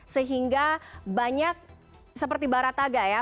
sehingga banyak seperti barataga ya